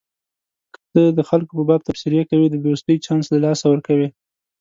که ته د خلکو په باب تبصرې کوې د دوستۍ چانس له لاسه ورکوې.